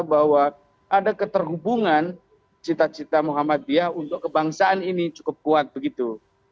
bahwa ada keterhubungan cita cita muhammadiyah untuk kebangsaan ini cukup kuat begitu